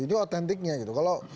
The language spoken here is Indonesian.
ini otentiknya gitu